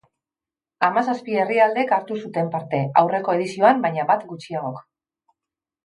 Hamazazpi herrialdek hartu zuten parte, aurreko edizioan baina bat gutxiagok.